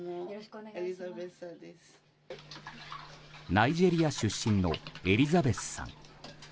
ナイジェリア出身のエリザベスさん。